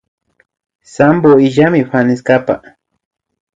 Sampo illanmi fanestapa